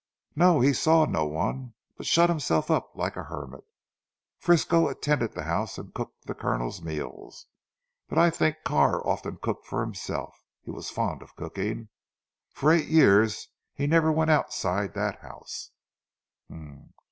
"No! He saw no one, but shut himself up like a hermit. Frisco attended to the house, and cooked the Colonel's meals. But I think Carr often cooked for himself. He was fond of cooking. For eight years he never went outside that house."